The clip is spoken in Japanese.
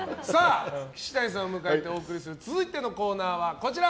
岸谷さんを迎えてお送りする続いてのコーナーは、こちら。